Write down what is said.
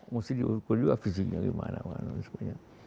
mesti diukur juga fisiknya gimana mekanismenya